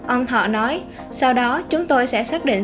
ông thọ nói sau đó chúng tôi sẽ xác định